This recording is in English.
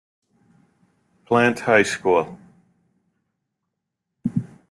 Plant High School.